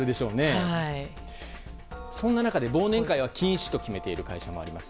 そんな中で忘年会は禁止と決めている会社もあります。